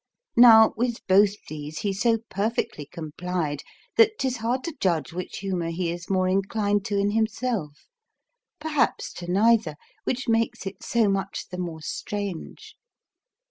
Now, with both these he so perfectly complied that 'tis hard to judge which humour he is more inclined to in himself; perhaps to neither, which makes it so much the more strange.